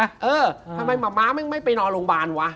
เออทำไมหมาม้าไม่ไปนอนโรงพยาบาลวะ